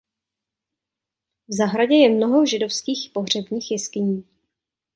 V zahradě je mnoho židovských pohřebních jeskyní.